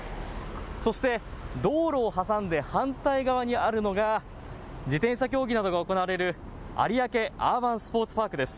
そして道路を挟んで反対側にあるのが自転車競技などが行われる有明アーバンスポーツパークです。